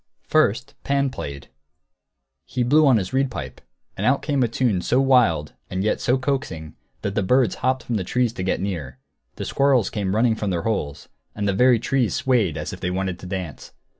First Pan played; he blew on his reed pipe, and out came a tune so wild and yet so coaxing that the birds hopped from the trees to get near; the squirrels came running from their holes; and the very trees swayed as if they wanted to dance.